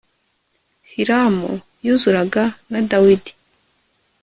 hiramu yuzuraga na dawidi